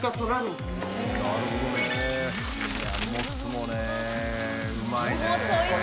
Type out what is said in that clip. うまいね。